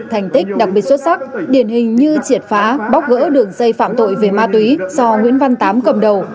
thành tích đặc biệt xuất sắc điển hình như triệt phá bóc gỡ đường dây phạm tội về ma túy do nguyễn văn tám cầm đầu